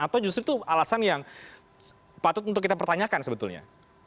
atau justru itu alasan yang patut untuk kita pertanyakan sebetulnya